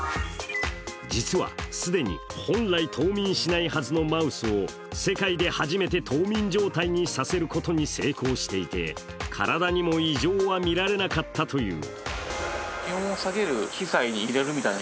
実は既に、本来冬眠しないはずのマウスを世界で初めて冬眠状態にさせることに成功していて体にも異常は見られなかったという。